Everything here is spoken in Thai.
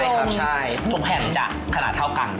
ใช่ครับใช่ทุกแห่งจะขนาดเท่ากัน